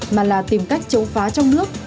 mà là tìm cách chống phá trong nước